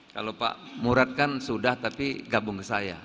kalau pak murad kan sudah tapi gabung ke saya